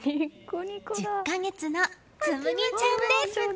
１０か月の月紬ちゃんです。